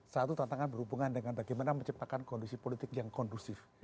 satu tantangan berhubungan dengan bagaimana menciptakan kondisi politik yang kondusif